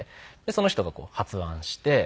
その人が発案して。